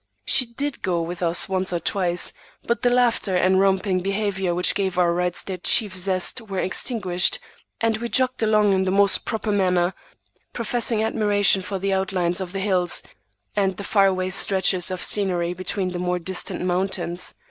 She did go with us once or twice, but the laughter and romping behavior which gave our rides their chief zest were extinguished, and we jogged along in the most proper manner, professing admiration for the outlines of the hills and the far away stretches of scenery between the more distant mountains.